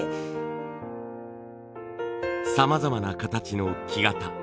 さまざまな形の木型。